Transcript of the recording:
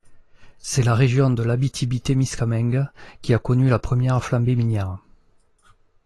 C'est la région de l'Abitibi-Témiscamingue qui a connu la première flambée minière.